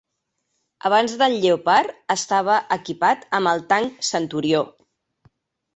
Abans del Lleopard estava equipat amb el tanc Centurió.